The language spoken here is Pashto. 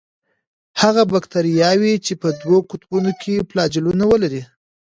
هغه باکتریاوې چې په دوو قطبونو کې فلاجیلونه ولري.